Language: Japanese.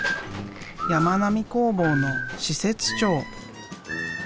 やまなみ工房の施設長。